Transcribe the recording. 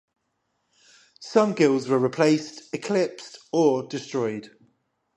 Some guilds were replaced, eclipsed, or destroyed.